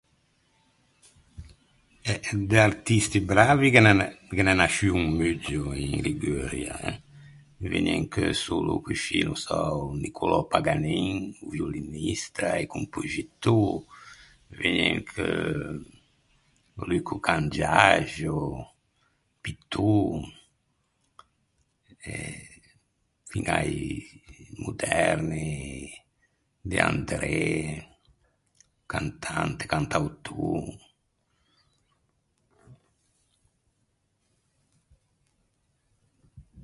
Eh de artisti bravi ghe n’é ghe n’é nasciuo un muggio in Liguria eh. Me vëgne in cheu solo coscì, no sò, o Nicolò Paganin, o violinista e compoxitô, me vëgne in cheu o Lucco Cangiaxo, pittô, eh, fiña i moderni, De André, cantante, cantautô.